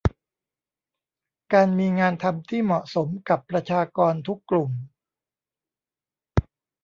การมีงานทำที่เหมาะสมกับประชากรทุกกลุ่ม